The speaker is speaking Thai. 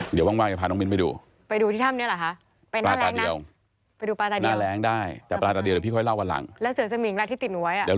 เถียวงั้งว่างเดี๋ยวพาน้องปิ้นไปดูไปดูที่ถ้ำเนี่ยหรอคะไปหน้าแรงหน่ะ